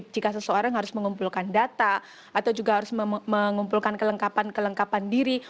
jika seseorang harus mengumpulkan data atau juga harus mengumpulkan kelengkapan kelengkapan diri